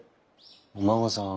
お孫さん。